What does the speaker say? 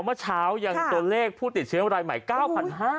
เมื่อเช้ายังตัวเลขผู้ติดเชื้อรายใหม่๙๕๐๐